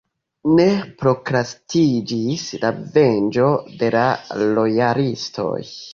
Ne prokrastiĝis la venĝo de la lojalistoj.